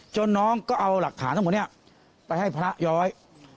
น้องก็เอาหลักฐานทั้งหมดนี้ไปให้พระย้อย